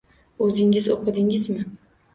O'zingiz o'qidingizmi?